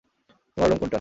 তোমার রুম কোনটা?